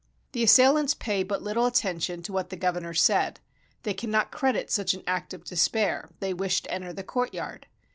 The assailants pay but little attention to what the governor said; they cannot credit such an act of despair; they wish to enter the courtyard.